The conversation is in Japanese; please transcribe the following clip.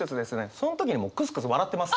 そん時にもうクスクス笑ってます。